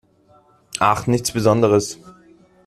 Ach, nichts Besonderes.